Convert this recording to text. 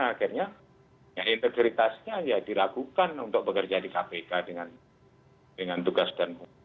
akhirnya ya integritasnya ya dilakukan untuk bekerja di kpk dengan tugas dan